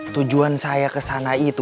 tujuan saya kesana itu